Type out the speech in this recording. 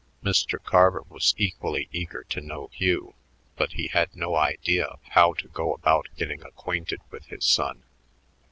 Mr. Carver was equally eager to know Hugh, but he had no idea of how to go about getting acquainted with his son.